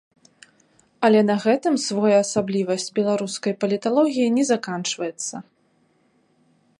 Але на гэтым своеасаблівасць беларускай паліталогіі не заканчваецца.